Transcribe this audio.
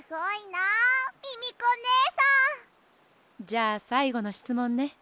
じゃあさいごのしつもんね。